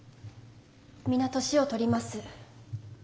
皆年を取ります。